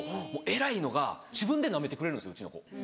偉いのが自分でなめてくれるんですようちの子。